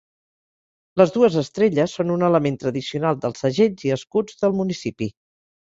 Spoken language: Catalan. Les dues estrelles són un element tradicional dels segells i escuts del municipi.